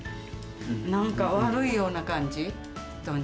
なんか悪いような感じ、ひとに。